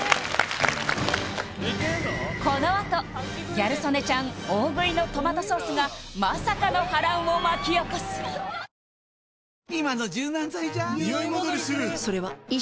このあとギャル曽根ちゃん大食いのトマトソースがまさかの波乱を巻き起こす結果発表！